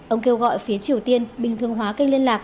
ông kêu gọi phía triều tiên bình thường hóa kênh liên lạc